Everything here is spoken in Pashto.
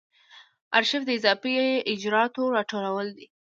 آرشیف د اضافه اجرااتو راټولول دي.